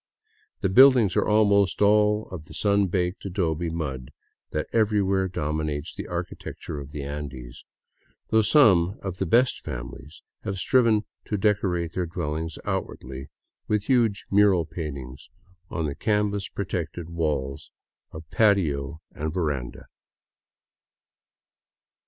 The buildings are almost all of the sun baked adobe mud that everywhere dominates the architecture of the Andes ; though some of the " best families " have striven to decorate their dwellings outwardly with huge mural paintings on the eaves protected walls of patio and veranda.